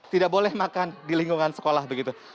tidak boleh makan di lingkungan sekolah begitu